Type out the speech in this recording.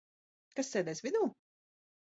Kas sēdēs vidū?